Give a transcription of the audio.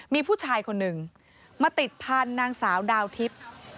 มีผู้ชายคนหนึ่งมาติดพันธุ์นางสาวดาวทิพย์